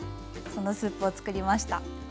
そのスープを作りました。